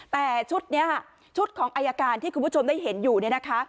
แต่ชุดนี้ชุดของอายการที่คุณผู้ชมได้เห็นอยู่เนี่ยนะคะ